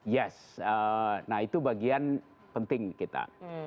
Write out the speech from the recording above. yes nah itu bagian penting kita